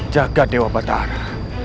jaga dewa batara